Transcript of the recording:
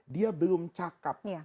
dia belum cakep